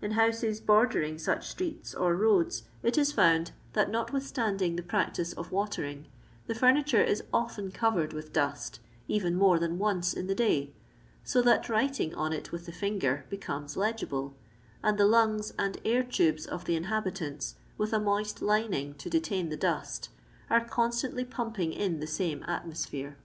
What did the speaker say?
In houses bor dering such streets or roads it is found that, not withstanding the practice of watering, the furni ture is often covered with dust, even more than once in the day, so that writing on it with the finger becomes legible, and the lungs and air tubes of the inhabitants, with a moist lining to deUin the dost, are constantly pumping in the same atmosphere.